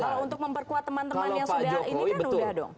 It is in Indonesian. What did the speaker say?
kalau untuk memperkuat teman teman yang sudah ini kan udah dong